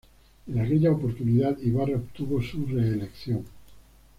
En aquella oportunidad Ibarra obtuvo su re-elección.